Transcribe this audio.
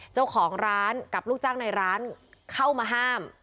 เจ้าของร้านกับลูกจ้างในร้านเข้ามาห้าม